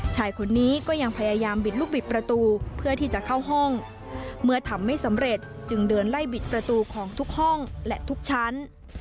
ชายคนนี้ก็ยังพยายามบิดลูกบิดประตูเพื่อที่จะเข้าห้องเมื่อทำไม่สำเร็จจึงเดินไล่บิดประตูของทุกห้องและทุกชั้น